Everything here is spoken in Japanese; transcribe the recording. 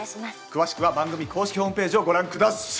詳しくは番組公式ホームページをご覧ください。